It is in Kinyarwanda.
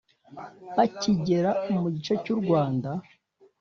Bakigera mu gice cy’u Rwanda